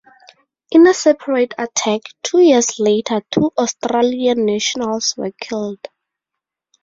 In a separate attack two years later two Australian nationals were killed.